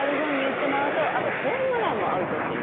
あとホームランもアウトっていう。